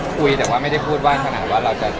คือจริงว่าว่านั้นพูดว่าอะไร